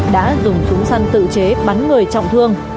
đã dùng súng săn tự chế bắn người trọng thương